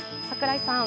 櫻井さん。